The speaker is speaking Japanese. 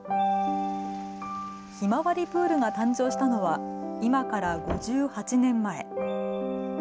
ひまわりプールが誕生したのは、今から５８年前。